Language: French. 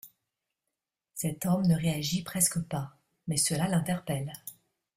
Cet homme ne réagit presque pas, mais cela l'interpelle.